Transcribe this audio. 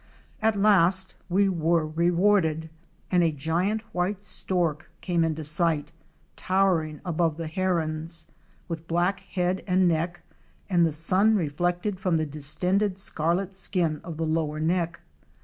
At last we were rewarded, and a giant white Stork came into sight, towering above the Herons, with black head and neck, and the sun reflected from the distended scarlet skin of the lower neck.